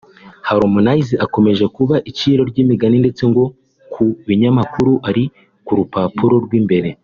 Harmonize akomeje kuba iciro ry’imigani ndetse ngo ku binyamakuru ari ku rupapuro rw'imbere